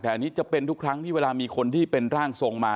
แต่อันนี้จะเป็นทุกครั้งที่เวลามีคนที่เป็นร่างทรงมา